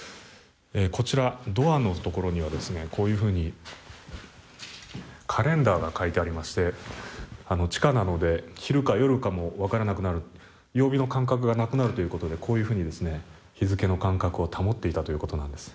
こちら、ドアのところにはこういうふうにカレンダーが書いてありまして地下なので昼か夜かも分からなくなる、曜日の感覚がなくなるということで、こういうふうに日付の感覚を保っていたということなんです。